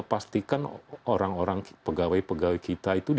pastikan orang orang pegawai pegawai kita itu di